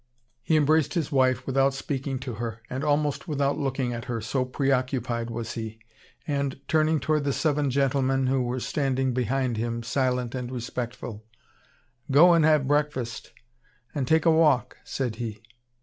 He embraced his wife without speaking to her, and almost without looking at her, so preoccupied was he; and, turning toward the seven gentlemen, who were standing behind him, silent and respectful: "Go and have breakfast, and take a walk," said he.